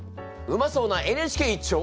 うまそうな「ＮＨＫ」一丁！